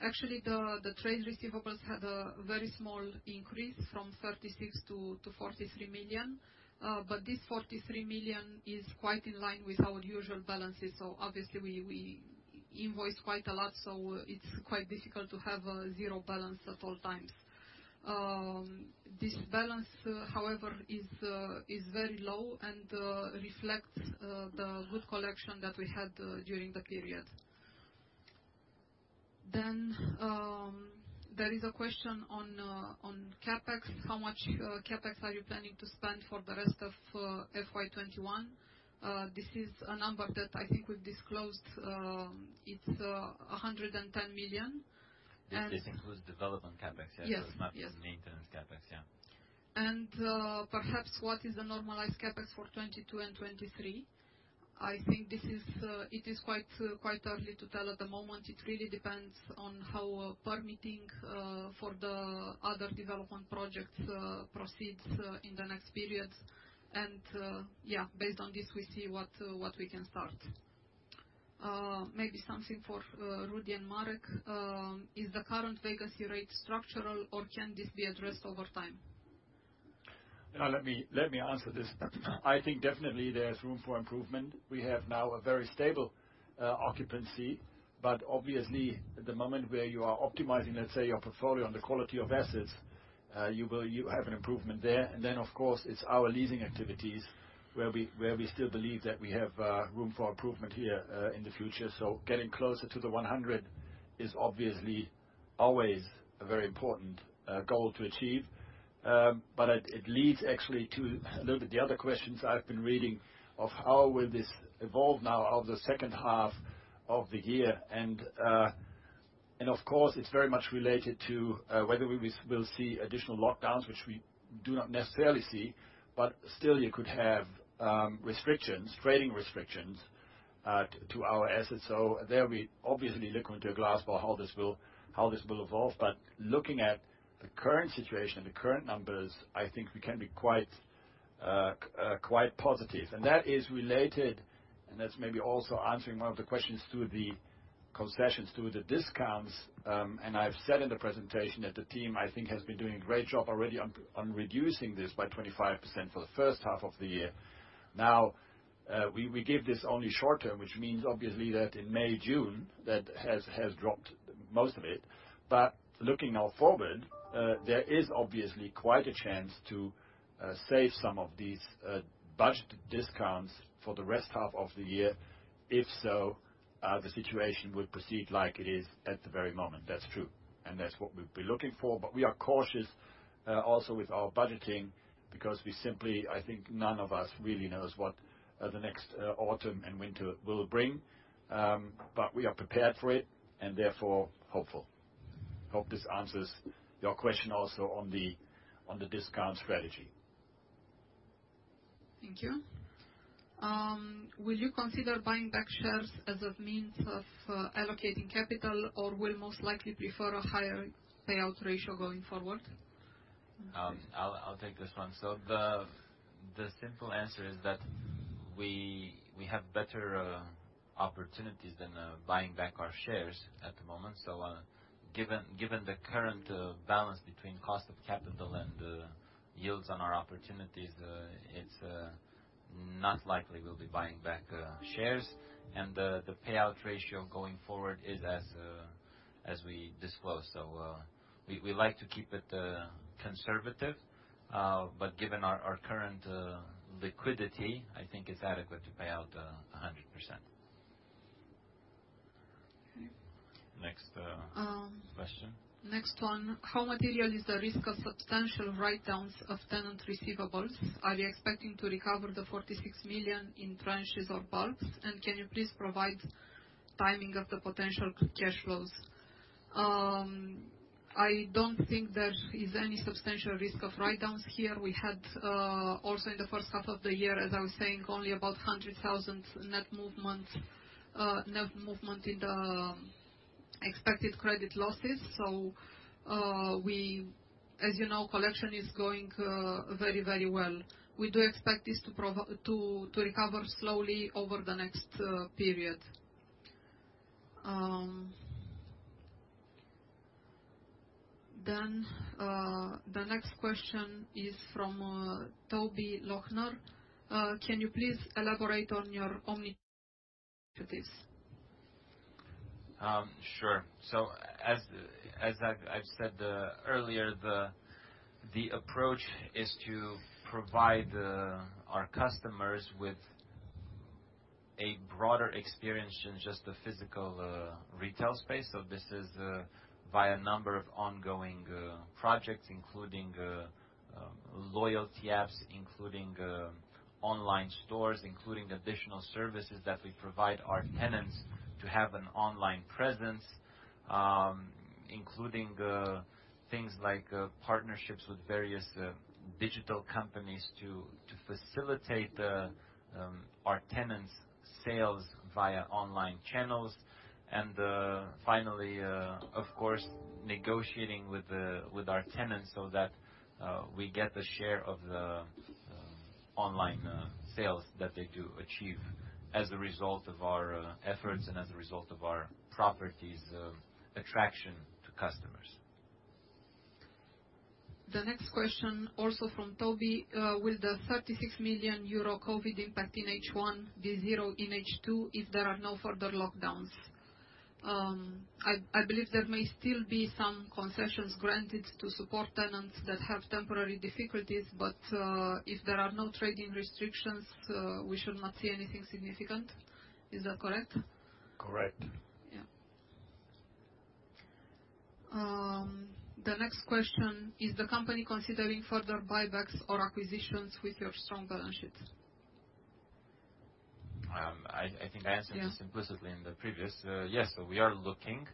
Actually, the trade receivables had a very small increase from 36 to 43 million. This 43 million is quite in line with our usual balances. Obviously we invoice quite a lot, so it's quite difficult to have a zero balance at all times. This balance, however, is very low and reflects the good collection that we had during the period. There is a question on CapEx. How much CapEx are you planning to spend for the rest of FY 2021? This is a number that I think we've disclosed. It's 110 million. This includes development CapEx, yeah? Yes. It's not just maintenance CapEx. Perhaps what is the normalized CapEx for 2022 and 2023? I think it is quite early to tell at the moment. It really depends on how permitting for the other development projects proceeds in the next period. Based on this, we see what we can start. Maybe something for Rudi and Marek. Is the current vacancy rate structural, or can this be addressed over time? Let me answer this. I think definitely there is room for improvement. We have now a very stable occupancy, but obviously, the moment where you are optimizing, let's say, your portfolio and the quality of assets, you have an improvement there. Of course, it's our leasing activities where we still believe that we have room for improvement here in the future. Getting closer to the 100 is obviously always a very important goal to achieve. It leads actually to a little bit the other questions I've been reading of how will this evolve now over the second half of the year. Of course, it's very much related to whether we will see additional lockdowns, which we do not necessarily see, but still you could have restrictions, trading restrictions to our assets. There we obviously look into a glass ball how this will evolve, but looking at the current situation, the current numbers, I think we can be quite positive. That is related, and that's maybe also answering one of the questions to the concessions, to the discounts. I've said in the presentation that the team, I think, has been doing a great job already on reducing this by 25% for the first half of the year. We give this only short term, which means obviously that in May, June, that has dropped most of it. Looking now forward, there is obviously quite a chance to save some of these budgeted discounts for the rest half of the year. If so, the situation will proceed like it is at the very moment. That's true. That's what we've been looking for. We are cautious, also with our budgeting, because we simply, I think none of us really knows what the next autumn and winter will bring. We are prepared for it, and therefore, hopeful. Hope this answers your question also on the discount strategy. Thank you. Will you consider buying back shares as a means of allocating capital, or will most likely prefer a higher payout ratio going forward? I'll take this one. The simple answer is that we have better opportunities than buying back our shares at the moment. Given the current balance between cost of capital and yields on our opportunities, it's not likely we'll be buying back shares. The payout ratio going forward is as we disclose. We like to keep it conservative. Given our current liquidity, I think it's adequate to pay out 100%. Okay. Next question. Next one. How material is the risk of substantial write-downs of tenant receivables? Are you expecting to recover the 46 million in tranches or bulks? Can you please provide timing of the potential cash flows? I don't think there is any substantial risk of write-downs here. We had also in the first half of the year, as I was saying, only about 100,000 net movement in the expected credit losses. As you know, collection is going very well. We do expect this to recover slowly over the next period. The next question is from Tobie Lochner. Can you please elaborate on your omni strategies? Sure. As I've said earlier, the approach is to provide our customers with a broader experience than just the physical retail space. This is via number of ongoing projects, including loyalty apps, including online stores, including additional services that we provide our tenants to have an online presence. Including things like partnerships with various digital companies to facilitate our tenants' sales via online channels. Finally, of course, negotiating with our tenants so that we get a share of the online sales that they do achieve as a result of our efforts and as a result of our properties' attraction to customers. The next question, also from Tobie. Will the 36 million euro COVID impact in H1 be zero in H2 if there are no further lockdowns? I believe there may still be some concessions granted to support tenants that have temporary difficulties, but if there are no trading restrictions, we should not see anything significant. Is that correct? Correct. Yeah. The next question: Is the company considering further buybacks or acquisitions with your strong balance sheets? I think I answered this implicitly in the previous. Yes, we are looking.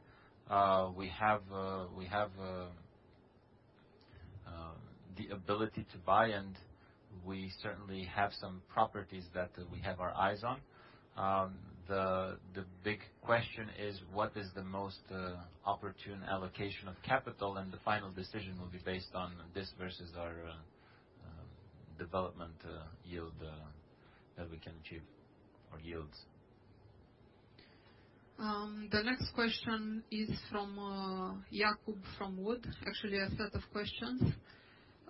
We have the ability to buy, and we certainly have some properties that we have our eyes on. The big question is, what is the most opportune allocation of capital? The final decision will be based on this versus our development yield that we can achieve or yields. The next question is from Jakub from Wood. Actually, a set of questions.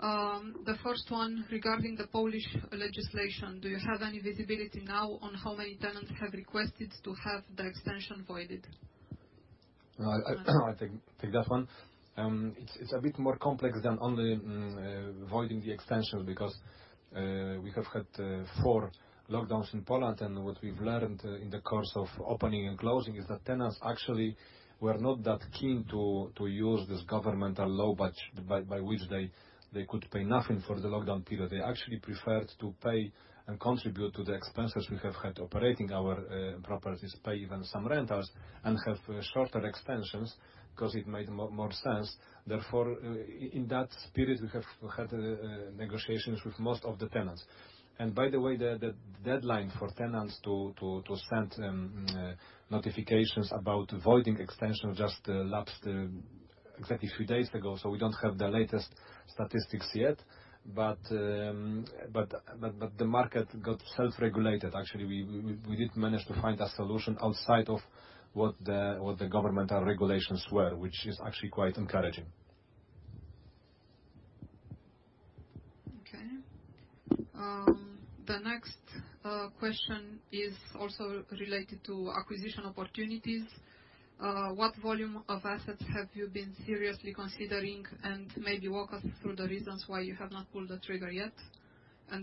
The 1st one regarding the Polish legislation. Do you have any visibility now on how many tenants have requested to have the extension voided? I think I'll take that one. It's a bit more complex than only voiding the extension because we have had four lockdowns in Poland. What we've learned in the course of opening and closing is that tenants actually were not that keen to use this governmental law by which they could pay nothing for the lockdown period. They actually preferred to pay and contribute to the expenses we have had operating our properties, pay even some rentals and have shorter extensions because it made more sense. Therefore, in that spirit, we have had negotiations with most of the tenants. By the way, the deadline for tenants to send notifications about voiding extension just lapsed exactly a few days ago, so we don't have the latest statistics yet. The market got self-regulated, actually. We did manage to find a solution outside of what the governmental regulations were, which is actually quite encouraging. Okay. The next question is also related to acquisition opportunities. What volume of assets have you been seriously considering? Maybe walk us through the reasons why you have not pulled the trigger yet.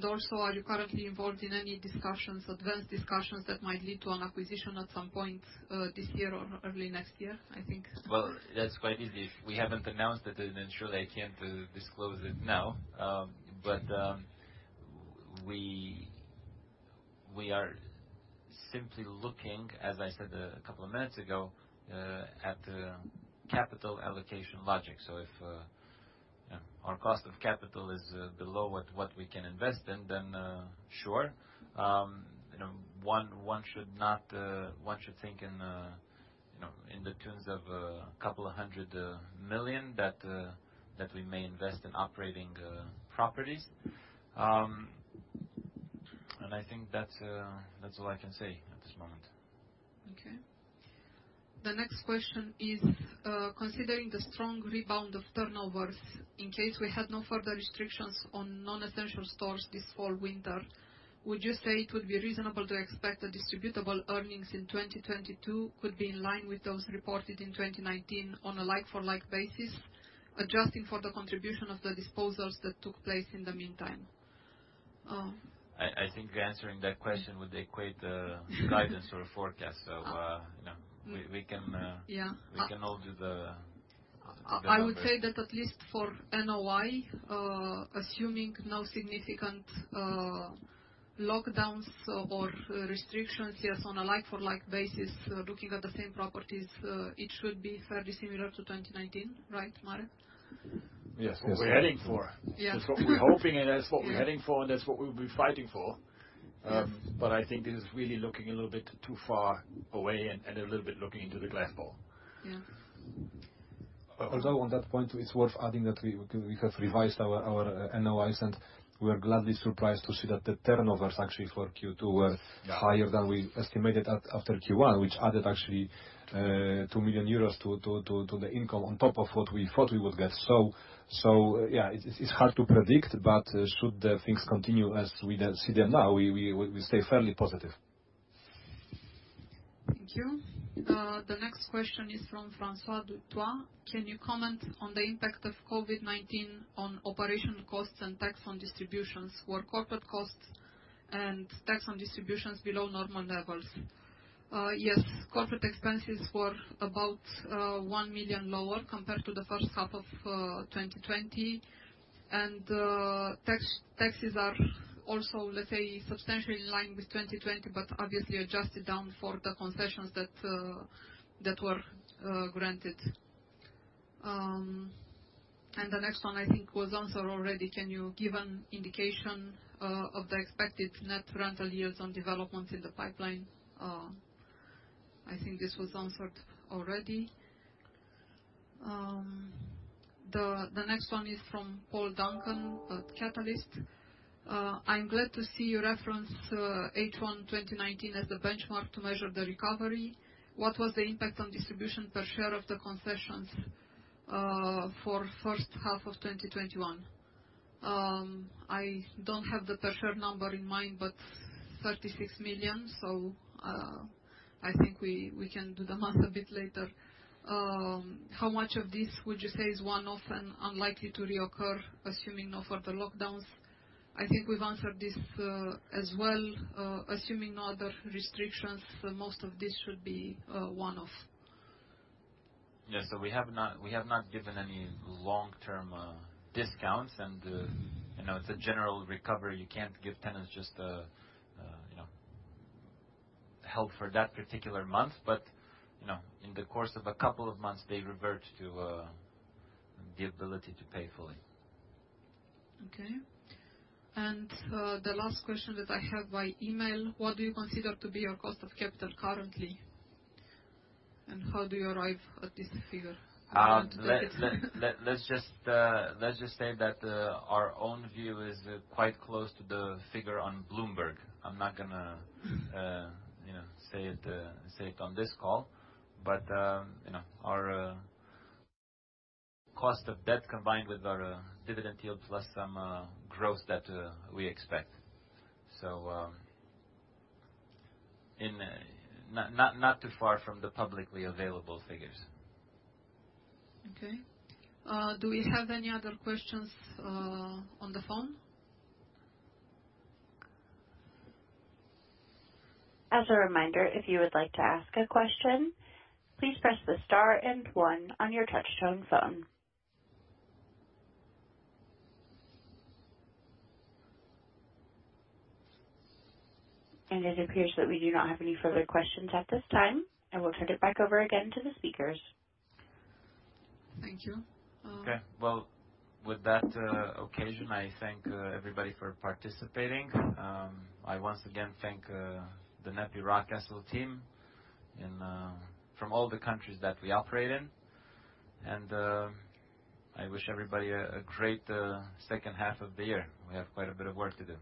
Also, are you currently involved in any advanced discussions that might lead to an acquisition at some point this year or early next year, I think? Well, that's quite easy. If we haven't announced it, then surely I can't disclose it now. We are simply looking, as I said a couple of minutes ago, at capital allocation logic. If our cost of capital is below what we can invest in, then sure. One should think in the tunes of 200 million that we may invest in operating properties. I think that's all I can say at this moment. Okay. The next question is, considering the strong rebound of turnovers, in case we had no further restrictions on non-essential stores this fall, winter, would you say it would be reasonable to expect the distributable earnings in 2022 could be in line with those reported in 2019 on a like-for-like basis, adjusting for the contribution of the disposals that took place in the meantime? I think answering that question would equate guidance or a forecast. Yeah we can all do the numbers. I would say that at least for NOI, assuming no significant lockdowns or restrictions, yes, on a like-for-like basis, looking at the same properties, it should be fairly similar to 2019, right, Marek? Yes. That's what we're heading for. Yeah. That's what we're hoping, and that's what we're heading for, and that's what we'll be fighting for. Yeah. I think this is really looking a little bit too far away and a little bit looking into the glass ball. Yeah. Although on that point, it's worth adding that we have revised our NOIs, and we are gladly surprised to see that the turnovers actually for Q2 were higher than we estimated after Q1, which added actually 2 million euros to the income on top of what we thought we would get. Yeah, it's hard to predict, but should the things continue as we see them now, we stay fairly positive. Thank you. The next question is from Francois du Toit. Can you comment on the impact of COVID-19 on operational costs and tax on distributions, where corporate costs and tax on distributions below normal levels? Yes, corporate expenses were about 1 million lower compared to the first half of 2020. Taxes are also, let's say, substantially in line with 2020, but obviously adjusted down for the concessions that were granted. The next one, I think, was answered already. Can you give an indication of the expected net rental yields on developments in the pipeline? I think this was answered already. The next one is from Paul Duncan at Catalyst. I'm glad to see you reference H1 2019 as the benchmark to measure the recovery. What was the impact on distribution per share of the concessions for first half of 2021? I don't have the per share number in mind, 36 million. I think we can do the math a bit later. How much of this would you say is one-off and unlikely to reoccur, assuming no further lockdowns? I think we've answered this as well. Assuming no other restrictions, most of this should be one-off. We have not given any long-term discounts, and it's a general recovery. You can't give tenants just help for that particular month, but in the course of a couple of months, they revert to the ability to pay fully. Okay. The last question that I have by email, what do you consider to be your cost of capital currently? How do you arrive at this figure? Let's just say that our own view is quite close to the figure on Bloomberg. I'm not going to say it on this call, but our cost of debt combined with our dividend yield plus some growth that we expect. Not too far from the publicly available figures. Okay. Do we have any other questions on the phone? As a reminder, if you would like to ask a question, please press the star and one on your touchtone phone. It appears that we do not have any further questions at this time. I will turn it back over again to the speakers. Thank you. Okay. Well, with that occasion, I thank everybody for participating. I once again thank the NEPI Rockcastle team from all the countries that we operate in. I wish everybody a great second half of the year. We have quite a bit of work to do.